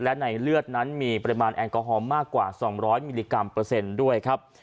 และในเลือดนั้นมีปริมาณแอลกอฮอล์มากกว่า๒๐๐มิลลิกรัมเปอร์เซ็นต์ด้วยครับ